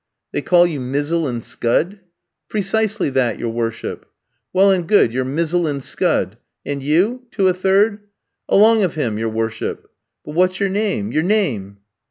"'They call you Mizzle and scud?' "'Precisely that, your worship.' "'Well and good, you're Mizzle and scud! And you?' to a third. "'Along of him, your worship.' "'But what's your name your name?'